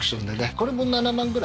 これも７万ぐらい？